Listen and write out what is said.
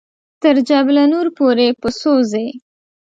تر جبل نور پورې په څو ځې.